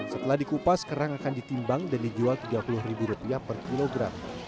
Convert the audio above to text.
setelah dikupas kerang akan ditimbang dan dijual tiga puluh ribu rupiah per kilogram